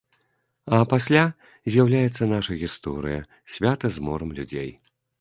А пасля з'яўляецца наша гісторыя, свята з морам людзей.